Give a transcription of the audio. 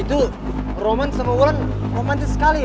itu roman semuanya romantis sekali ya